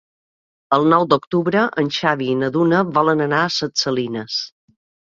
El nou d'octubre en Xavi i na Duna volen anar a Ses Salines.